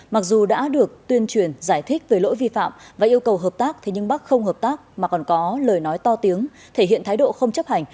mặc dù đã được tuyên truyền giải thích về lỗi vi phạm và yêu cầu hợp tác nhưng bắc không hợp tác mà còn có lời nói to tiếng thể hiện thái độ không chấp hành